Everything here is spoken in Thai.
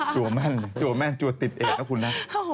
จัวแม่นจัวติดเอกนะคุณนะ